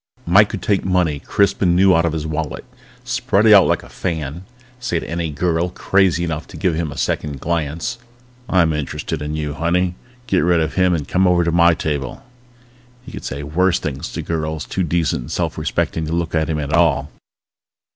Mike could take money crisp and new out of his wallet, spread it out like a fan, say to any girl crazy enough to give him a second glance: "I'm interested in you, honey! Get rid of him and come over to my table!" He could say worse things to girls too decent and self respecting to look at him at all.